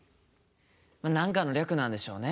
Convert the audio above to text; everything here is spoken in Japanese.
何かの略なんでしょうね。